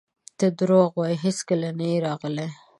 ته درواغ وایې هیڅکله نه یې راغلی!